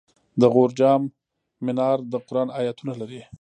د غور جام منار د قرآن آیتونه لري